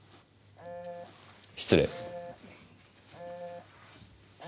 失礼。